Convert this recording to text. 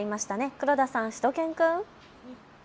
黒田さん、しゅと犬くん。